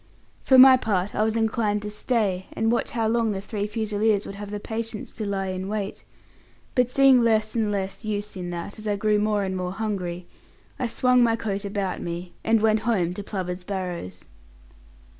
For my part I was inclined to stay, and watch how long the three fusiliers would have the patience to lie in wait; but seeing less and less use in that, as I grew more and more hungry, I swung my coat about me, and went home to Plover's Barrows.